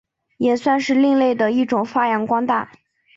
也算是另类的一种发扬光大。